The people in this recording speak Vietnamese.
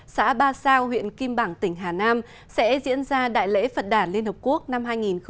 xã ba sao huyện kim bảng tỉnh hà nam sẽ diễn ra đại lễ phật đàn liên hợp quốc năm hai nghìn một mươi chín